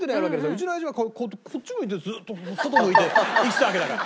うちの親父はこっち向いてずっと外向いて生きてたわけだから。